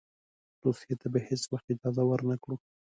روسیې ته به هېڅ وخت اجازه ورنه کړو.